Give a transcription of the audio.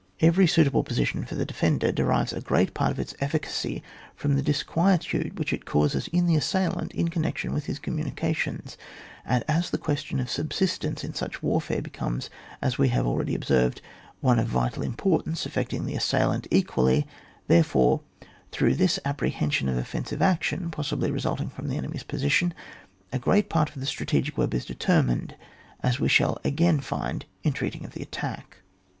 Every suitable position for tha defender derives a great part of its eificacy from the disquietude which it causes the as sailant in connection with his communi cations; and as the question of sub sistence in such warfare becomes, as we have already observed, one of vital im portance, affecting the assailant equally, therefore, through this apprehension of offensive action, possibly resulting from. the enemy's position, a great part of the strategic web is determined, as we shall again find in treating of the attack.